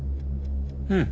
うん。